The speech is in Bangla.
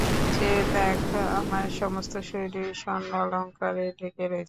চেয়ে দেখ, আমার সমস্ত শরীর স্বর্ণালঙ্কারে ঢেকে রয়েছে।